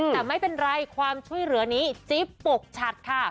แต่ไม่เป็นไรความช่วยเหลือนี้จิ๊บปกฉัดค่ะ